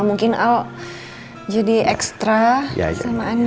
mungkin al jadi ekstra sama anda